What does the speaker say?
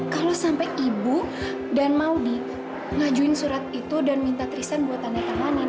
kalau sampai ibu dan maudie ngajuin surat itu dan minta tristan buat tandaikamanin